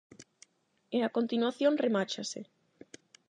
E a continuación remáchase: